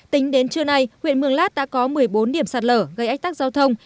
tính đến trưa nay huyện mường lát đã có một mươi bốn điểm sạt lở gây ách tắc giao thông